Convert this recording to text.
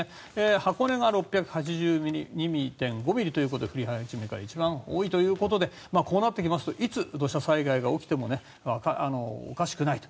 箱根が６８２．５ミリと降り始めから一番多いということでこうなってきますといつ土砂災害が起きてもおかしくないと。